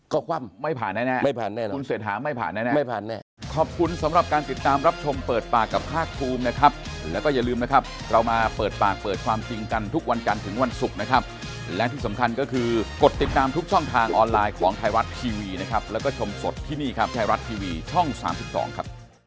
ก็คว่ำไม่ผ่านแน่คุณเสร็จหาไม่ผ่านแน่